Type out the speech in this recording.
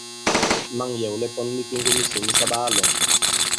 Ma᷇ŋ yɛ̀wlɛ pɔn mikeŋge misò mi sa baa-lɔ̄ŋ.